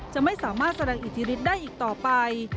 จะไม่สามารถแสดงอิทธิฤทธิ์ได้อีกต่อไป